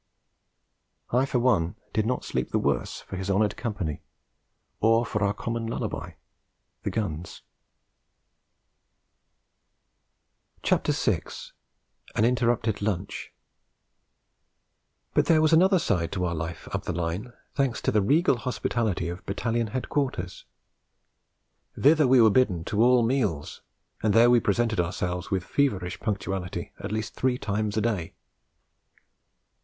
I for one did not sleep the worse for his honoured company, or for our common lullaby the guns. AN INTERRUPTED LUNCH But there was another side to our life up the line, thanks to the regal hospitality of Battalion Headquarters. Thither we were bidden to all meals, and there we presented ourselves with feverish punctuality at least three times a day.